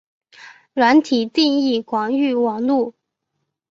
软体定义广域网路。